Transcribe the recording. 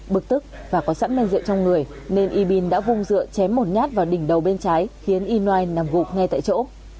bực tức và có sẵn men rượu trong người nên ybin đã vung rượu chém một nhát vào đỉnh đầu bên trái khiến ynoanye nằm gục ngay tại chỗ